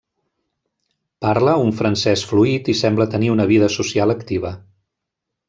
Parla un francès fluid i sembla tenir una vida social activa.